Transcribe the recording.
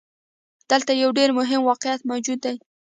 دلته يو ډېر مهم واقعيت موجود دی.